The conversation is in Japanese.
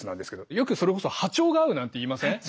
よくそれこそ波長が合うなんて言いません？